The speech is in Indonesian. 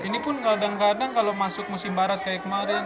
ini pun kadang kadang kalau masuk musim barat kayak kemarin